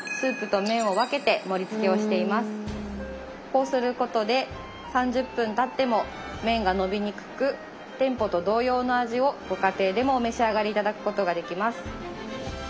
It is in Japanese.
こうすることで３０分たっても麺が伸びにくく店舗と同様の味をご家庭でもお召し上がり頂くことができます。